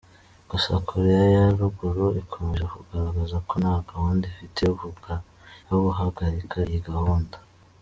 Gusa Koreya ya ruguru ikomeje kugaragaza ko nta gahunda ifite yo guhagarika iyi gahunda.